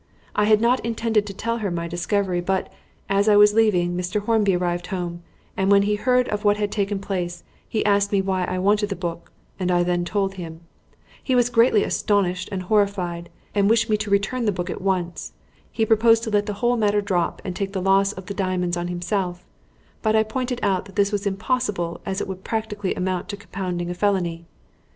I had not intended to tell her of my discovery, but, as I was leaving, Mr. Hornby arrived home, and when he heard of what had taken place, he asked me why I wanted the book, and then I told him. He was greatly astonished and horrified, and wished me to return the book at once. He proposed to let the whole matter drop and take the loss of the diamonds on himself; but I pointed out that this was impossible as it would practically amount to compounding a felony.